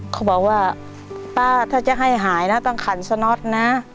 เขาบอกว่าป้าถ้าจะให้หายนะต้องขันสน็อตนะ